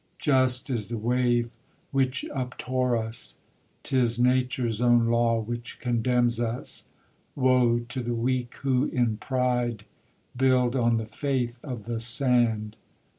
Just is the wave which uptore us; 'tis Nature's own law which condemns us; Woe to the weak who, in pride, build on the faith of the sand!